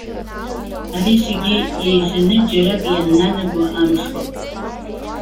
Ари зегьы иеизаны џьарак ианнанаго амш ауп.